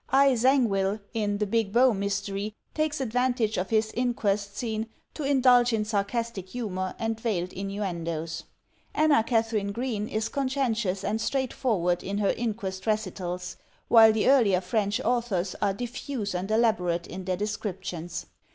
I. Zangwill, in "The Big Bow Mystery," takes advantage of his inquest scene to indulge in sarcastic humor and veiled innuendos. Anna Katharine Green is conscientious and straightfor ward in her inquest recitals; while the earlier French authors are diffuse and elaborate in their descriptions.